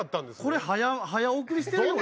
「これ早送りしてるよね？」。